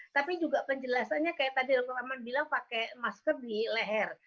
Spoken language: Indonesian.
tapi juga penjelasannya kayak tadi maman bilang pakai masker di leher